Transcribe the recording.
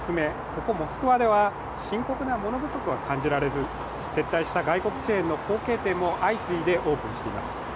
ここ、モスクワでは深刻な物不足は感じられず、撤退した外国チェーンの後継店も相次いでオープンしています。